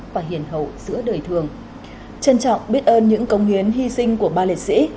chân trọng biết ơn những công hiến hy sinh của ba lịch sĩ